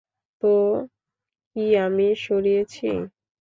তো কি আমি সরিয়েছি?